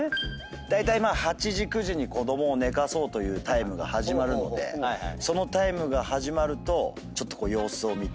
だいたい８時９時に子供を寝かそうというタイムが始まるのでそのタイムが始まるとちょっと様子を見て。